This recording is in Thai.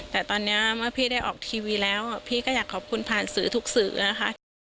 แต่ตอนนี้เมื่อพี่ได้ออกทีวีแล้วพี่ก็อยากขอบคุณผ่านสื่อทุกสื่อนะคะ